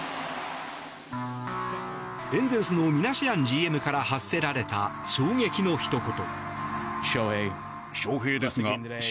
エンゼルスのミナシアンＧＭから発せられた衝撃のひと言。